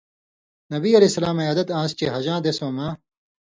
نبی علیہ السلامیں عادت آنسِیۡ چے حَجاں دېسؤں مہ